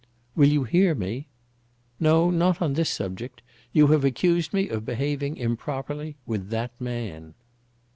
"Will you hear me?" "No, not on this subject. You have accused me of behaving improperly with that man."